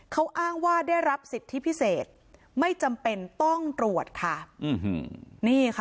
เขาอ้างว่าได้รับสิทธิพิเศษไม่จำเป็นต้องตรวจค่ะนี่ค่ะ